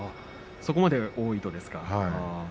そこまで多いとですね。